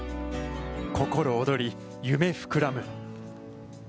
心躍り夢膨らむ。